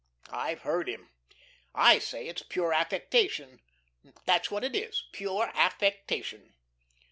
I've heard him. I say it's pure affectation, that's what it is, pure affectation."